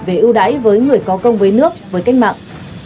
về ưu đãi với người có công với nước với cách mạng